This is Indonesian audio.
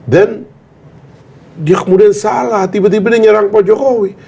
dia kemudian salah tiba tiba ini nyerang pak jokowi